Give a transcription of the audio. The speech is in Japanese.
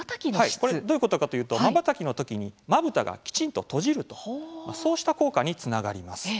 どういうことかというとまばたきの時にまぶたがきちんと閉じるとそうした効果につながります。